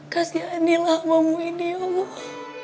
kasihanilah ambu ini ya allah